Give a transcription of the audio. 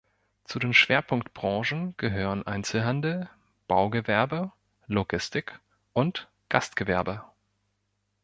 Zu den Schwerpunktbranchen gehören Einzelhandel, Baugewerbe, Logistik und Gastgewerbe.